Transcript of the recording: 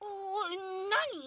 なに？